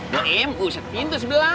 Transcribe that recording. bu em uset pintu sebelah